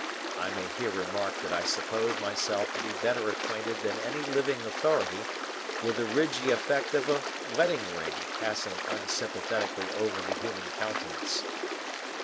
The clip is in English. (I may here remark that I suppose myself to be better acquainted than any living authority, with the ridgy effect of a wedding ring, passing unsympathetically over the human countenance.)